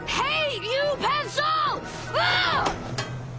はい。